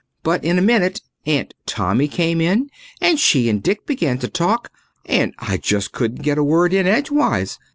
But in a minute Aunt Tommy came in and she and Dick began to talk, and I just couldn't get a word in edgewise.